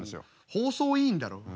放送委員だろ？